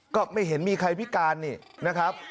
ก็ไม่เห็นมีใครพิการนี่นะครับ